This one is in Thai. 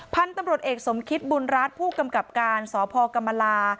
พันธุ์ตำรวจเอกสมคิตบุญรัฐผู้กำกับการสพกรรมลา